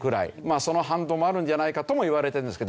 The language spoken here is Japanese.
その反動もあるんじゃないかともいわれているんですけど。